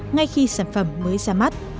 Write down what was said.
ngay khi sản phẩm mới ra mắt